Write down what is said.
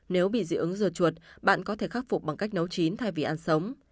nếu bị dị ứng rửa chuột bạn có thể khắc phục bằng cách nấu chín thay vì ăn sống